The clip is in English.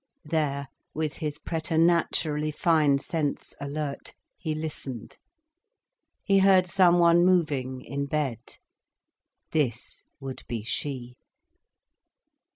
There, with his preternaturally fine sense alert, he listened. He heard someone moving in bed. This would be she.